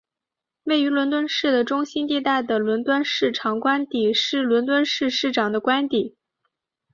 位于伦敦市的中心地带的伦敦市长官邸是伦敦市市长的官邸。